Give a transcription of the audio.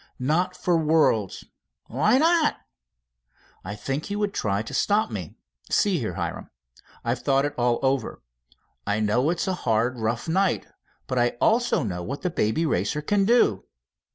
"Not for worlds." "Why not?" "I think he would try to stop me. See here, Hiram, I've thought it all over. I know it's a hard, rough night, but I also know what the Baby Racer can do."